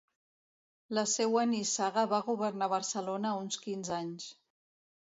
La seua nissaga va governar Barcelona uns quinze anys.